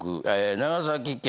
長崎県